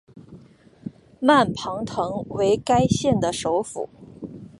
曼庞滕为该县的首府。